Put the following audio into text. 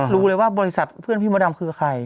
รู้เลยว่าบริษัทเพื่อนพี่มดดำคือใคร